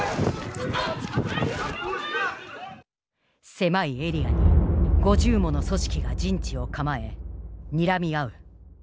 狭いエリアに５０もの組織が陣地を構えにらみ合う。